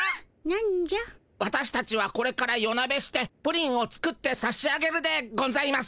わたしたちはこれから夜なべしてプリンを作ってさしあげるでゴンざいます。